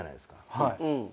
はい。